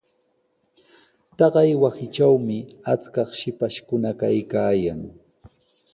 Taqay wasitrawmi achkaq shipashkuna kaykaayan.